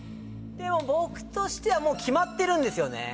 僕としてはもう決まってるんですよね。